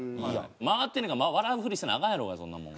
回ってんねんから笑うふりせなアカンやろうがそんなもん。